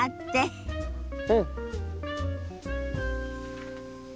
うん！